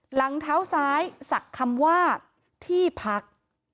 หลังเท้าซ้ายศักดิ์คำว่าที่พัก